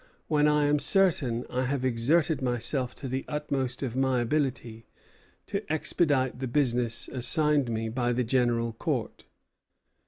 when I am certain I have exerted myself to the utmost of my ability to expedite the business assigned me by the General Court."